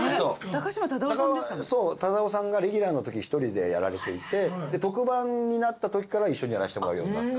忠夫さんがレギュラーのとき１人でやられていて特番になったときから一緒にやらしてもらうようになった。